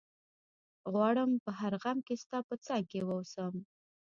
غواړم په هر غم کي ستا په څنګ کي ووسم